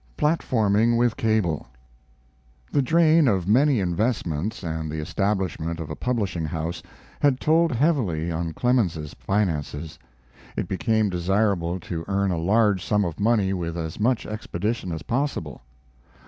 PLATFORMING WITH CABLE The drain of many investments and the establishment of a publishing house had told heavily on Clemens's finances. It became desirable to earn a large sum of money with as much expedition as possible.